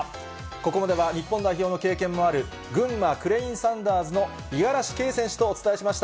ここまでは日本代表の経験もある、群馬クレインサンダーズの五十嵐圭選手とお伝えしました。